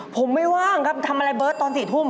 ผมไม่ว่างครับทำอะไรเบิร์ตตอน๔ทุ่ม